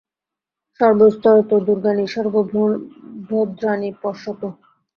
– সর্বস্তরতু দুর্গাণি সর্বো ভদ্রাণি পশ্যতু।